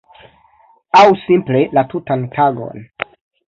Aŭ simple la tutan tagon?